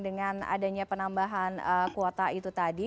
dengan adanya penambahan kuota itu tadi